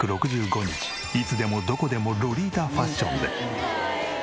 いつでもどこでもロリータファッションで。